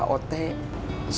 akang juga sudah coba